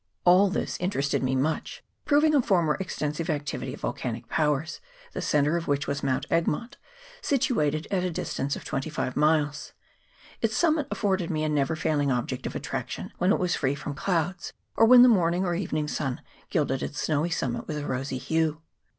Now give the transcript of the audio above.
All this interested me much, proving a former ex tensive activity of volcanic powers, the centre of which was Mount Egmont, situated at a distance of twenty five miles ; its' summit afforded me a never failing object of attraction when it was free from clouds, or when the morning or evening sun gilded its snowy summit with a rosy hue.